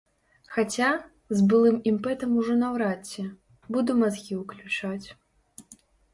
Хаця, з былым імпэтам ужо наўрад ці, буду мазгі ўключаць.